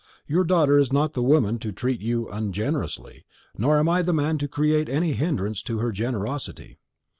Your daughter is not the woman to treat you ungenerously, nor am I the man to create any hindrance to her generosity."